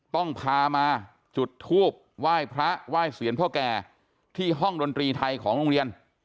ต้องพามาจุดทูบไหว้พระไหว้เสียรพ่อแก่ที่ห้องดนตรีไทยของโรงเรียน